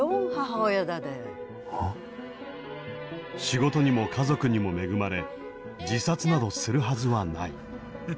仕事にも家族にも恵まれ自殺などするはずはない。